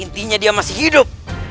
intinya dia masih hidup